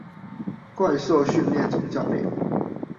怪獸訓練總教練